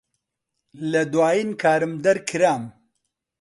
لە دوایین کارم دەرکرام.